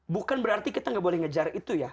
bukan berarti kita nggak boleh ngejar itu ya